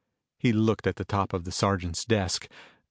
He looked at the top of the sergeant's desk.